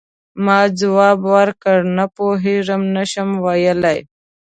ما ځواب ورکړ: نه پوهیږم، نه شم ویلای.